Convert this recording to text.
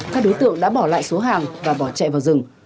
các đối tượng đã bỏ lại số hàng và bỏ chạy vào rừng